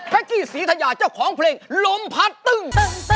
กี้ศรีธยาเจ้าของเพลงลมพัดตึ้ง